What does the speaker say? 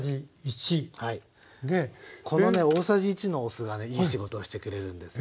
このね大さじ１のお酢がねいい仕事をしてくれるんですよ。